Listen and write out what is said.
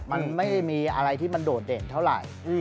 มันไม่มีอะไรที่มันโดดเด่นเท่าไหร่